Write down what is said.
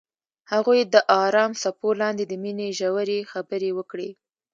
هغوی د آرام څپو لاندې د مینې ژورې خبرې وکړې.